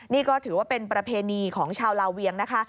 นี่ก็ถือว่าเป็นประเพณีของชาวลาเวียงนะคะ